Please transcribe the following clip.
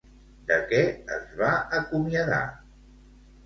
De què es va acomiadar?